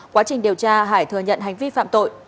quá trình điều tra hải thừa nhận hành vi phạm tội